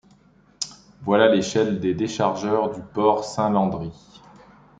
Voilà l’échelle des déchargeurs du port Saint-Landry.